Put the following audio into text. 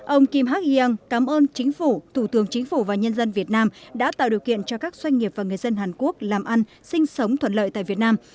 ông kim hạc yanng cảm ơn chính phủ thủ tướng chính phủ và nhân dân việt nam đã tạo điều kiện cho các doanh nghiệp và người dân hàn quốc làm ăn sinh sống thuận lợi tại việt nam